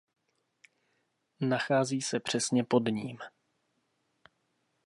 Nachází se přesně pod ním.